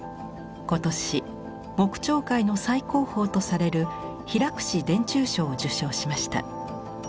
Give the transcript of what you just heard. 今年木彫界の最高峰とされる平田中賞を受賞しました。